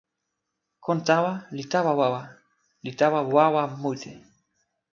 kon tawa li tawa wawa, li tawa wawa mute.